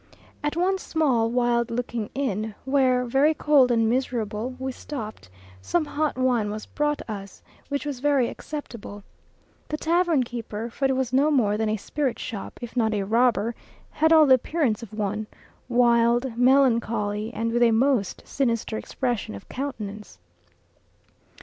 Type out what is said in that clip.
At one small, wild looking inn, where, very cold and miserable, we stopped, some hot wine was brought us, which was very acceptable. The tavern keeper, for it was no more than a spirit shop, if not a robber, had all the appearance of one; wild, melancholy, and with a most sinister expression of countenance.